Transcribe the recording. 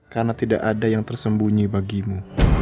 karena tidak ada yang tersembunyi bagimu